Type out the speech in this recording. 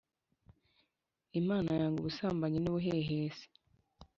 Imana yanga ubusambanyi n’ ubuhehesi